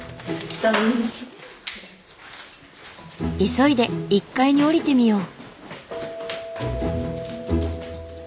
急いで１階に下りてみよう。